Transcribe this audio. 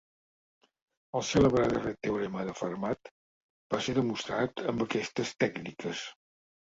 El cèlebre darrer teorema de Fermat va ser demostrat amb aquestes tècniques.